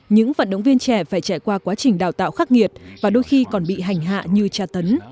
những vận động viên trẻ phải trải qua quá trình đào tạo khắc nghiệt và đôi khi còn bị hành hạ như tra tấn